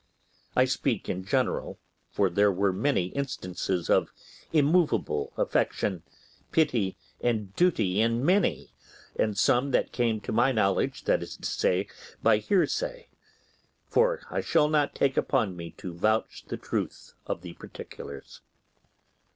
I speak in general, for there were many instances of immovable affection, pity, and duty in many, and some that came to my knowledge, that is to say, by hearsay; for I shall not take upon me to vouch the truth of the particulars.